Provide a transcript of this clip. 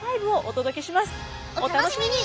お楽しみに。